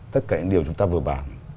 tất cả những điều chúng ta vừa bàn